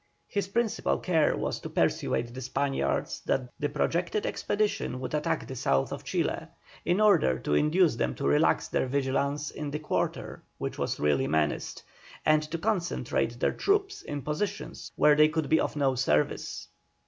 His principal care was to persuade the Spaniards that the projected expedition would attack the south of Chile, in order to induce them to relax their vigilance in the quarter which was really menaced, and to concentrate their troops in positions where they could be of no service.